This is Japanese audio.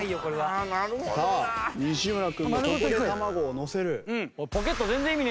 さあ西村君がここで卵をのせる。